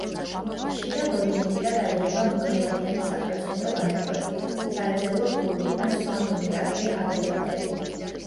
ხშირად ორიენტირად აიღება მოკლევადიანი საპროცენტო განაკვეთი, სარეზერვო ფული ან სხვა მონეტარული აგრეგატები.